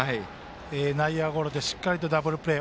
内野ゴロでしっかりダブルプレー。